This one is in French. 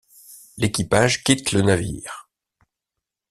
L'équipage quitte le navire.